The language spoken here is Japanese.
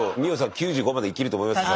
９５まで生きると思います。